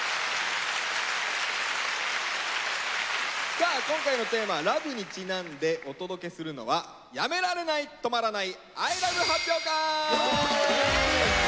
さあ今回のテーマ「ＬＯＶＥ」にちなんでお届けするのはやめられないとまらない！